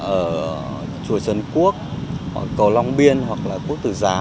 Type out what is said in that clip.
ở chùa sơn cô